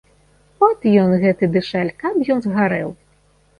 От ён, гэты дышаль, каб ён згарэў!